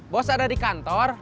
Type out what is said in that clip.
bos ada di kantor